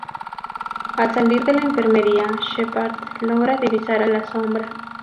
Al salir de la enfermería, Sheppard logra divisar a la "sombra".